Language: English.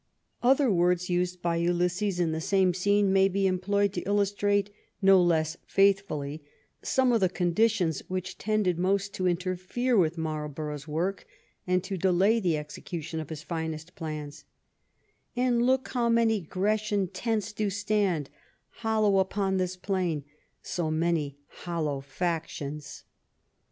Other words used by Ulysses in the same scene may be em ployed to illustrate, no less faithfully, some of the condi tions which tended most to interfere with Marlborough's work and to delay the execution of his finest plana : "And look how many Grecian tents do stand Hollow upon this plain, so many hollow factions."